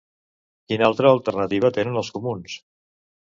Quina altra alternativa tenen els Comuns?